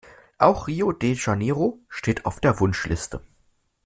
Auch Rio de Janeiro steht auf der Wunschliste.